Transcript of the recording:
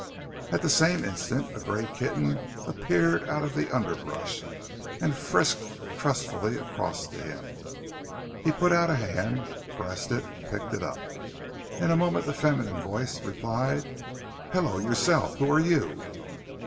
At the same instant a gray kitten appeared out of the underbrush, and frisked trustfully across to him. He put out a hand, caressed it, picked it up. In a moment the feminine voice replied, "Hello yourself. Who are you?"